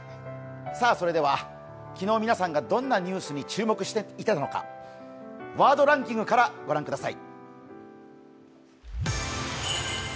それでは、昨日、皆さんがどんなニュースに注目していたのか、ワードランキングから御覧ください。